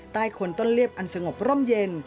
ใต้คนต้นเรียบอันสงบร่มเย็น